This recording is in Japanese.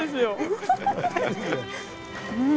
うん。